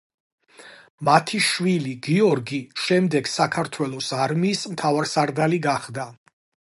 მათი შვილი, გიორგი, შემდეგ საქართველოს არმიის მთავარსარდალი გახდა.